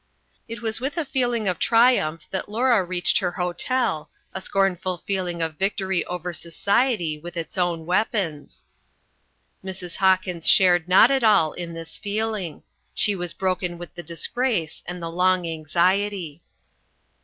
It was with a feeling of triumph that Laura reached her hotel, a scornful feeling of victory over society with its own weapons. Mrs. Hawkins shared not at all in this feeling; she was broken with the disgrace and the long anxiety.